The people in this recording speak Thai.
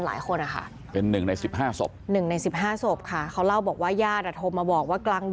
หมาบ้านเนี่ยหลวงเตี้ยวเลย